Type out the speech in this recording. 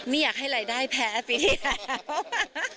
ไม่อยากให้รายได้แพ้ปีที่แล้ว